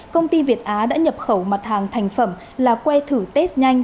công ty việt á đã nhập khẩu mặt hàng thành phẩm là que thử test nhanh